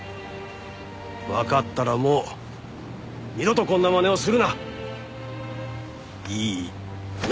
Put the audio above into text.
わかったらもう二度とこんなまねをするな。いいな？